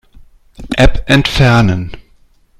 App entfernen.